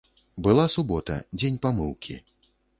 Была субота, дзень памыўкі.